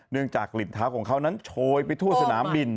จากกลิ่นเท้าของเขานั้นโชยไปทั่วสนามบิน